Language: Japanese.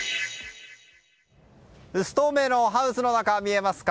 薄透明のハウスの中見えますか